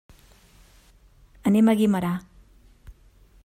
Anem a Guimerà.